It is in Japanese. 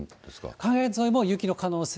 海岸沿いも雪の可能性。